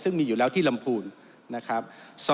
ซึ่งมีอยู่แล้วที่ลำพูนนะครับ